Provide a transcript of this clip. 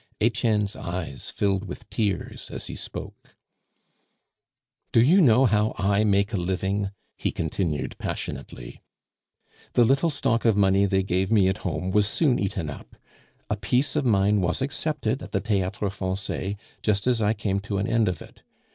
Etienne's eyes filled with tears as he spoke. "Do you know how I make a living?" he continued passionately. "The little stock of money they gave me at home was soon eaten up. A piece of mine was accepted at the Theatre Francais just as I came to an end of it.